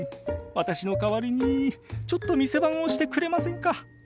私の代わりにちょっと店番をしてくれませんか？